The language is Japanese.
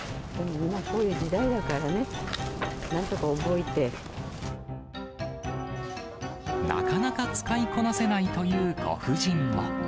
こういう時代だからね、なんとかなかなか使いこなせないというご夫人も。